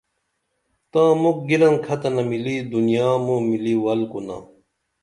تاں مُکھ گِرنکھتنہ ملی دنیا موں ملی ول کُنا